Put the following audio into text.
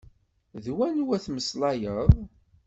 D wanwa tmeslayeḍ?